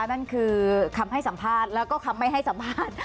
นั่นคือคำให้สัมภาษณ์แล้วก็คำไม่ให้สัมภาษณ์